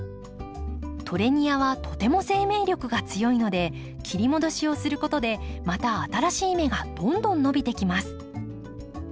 トレニアはとても生命力が強いので切り戻しをすることでまた新しい芽がどんどん伸びてきます。